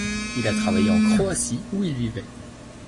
Il a travaillé en Croatie, où il vivait.